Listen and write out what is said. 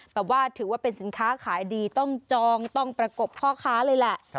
ถือว่าเป็นสินค้าขายดีต้องจองต้องประกบพ่อค้าเลยแหละ